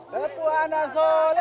betul anak soleh